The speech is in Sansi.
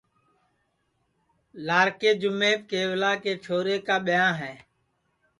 لاکے جُمیپ کیولا کے چھورے کا ٻہاں ہے